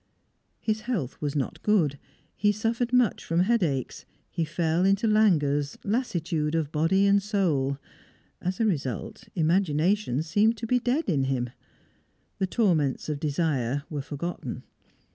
His health was not good; he suffered much from headaches; he fell into languors, lassitude of body and soul. As a result, imagination seemed to be dead in him. The torments of desire were forgotten.